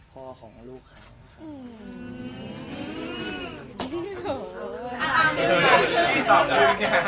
พ่อของลูกเขา